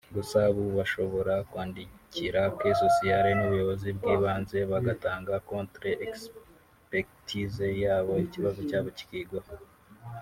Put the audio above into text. Gusa ubu bashobora kwandikira Caisse Sociale n’ubuyobozi bw’ibanze bagatanga contre expectise yabo ikibazo cyabo kikigwaho